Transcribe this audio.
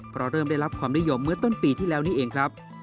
เพราะเริ่มได้รับความนิยมเมื่อต้นปีที่แล้วนี่เองครับ